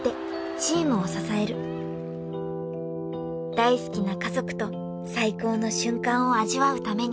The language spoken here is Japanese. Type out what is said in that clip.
［大好きな家族と最高の瞬間を味わうために］